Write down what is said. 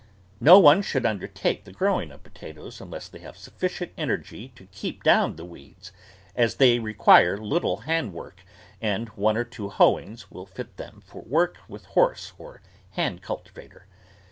No one should imdertake the growing of potatoes unless they have sufficient energy to keep down the weeds, as they require little hand work, and one or two hoeings will fit them for work with horse or hand cultivator.